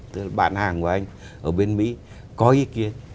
tức là bạn hàng của anh ở bên mỹ có ý kiến